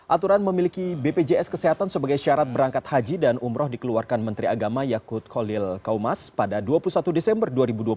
aturan memiliki bpjs kesehatan sebagai syarat berangkat haji dan umroh dikeluarkan menteri agama yakut kolil kaumas pada dua puluh satu desember dua ribu dua puluh